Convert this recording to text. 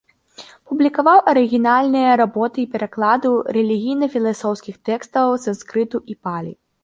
Публікаваў арыгінальныя работы і пераклады рэлігійна-філасофскіх тэкстаў з санскрыту і палі.